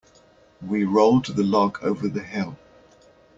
We rolled the log over the hill.